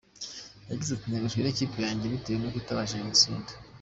Yagize ati "Ntengushwe n’ikipe yanjye bitewe n’uko itabashije gutsinda.